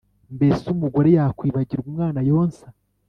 Mbese umugore yakwibagirwa umwana yonsa